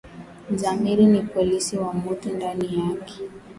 Zamiri ni polisi wa mutu ndani yake